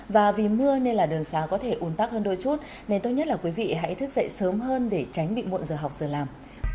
và vì mưa nên là đường xá có thể ồn tắc hơn đôi chút nên tốt nhất là quý vị hãy thức dậy sớm hơn để tránh bị muộn giờ học giờ làm